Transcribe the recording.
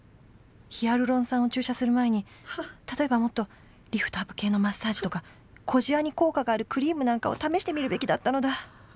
「ヒアルロン酸を注射する前に、例えばもっとリフトアップ系のマッサージとか、小じわに効果があるクリームなんかを試してみるべきだったのだ」。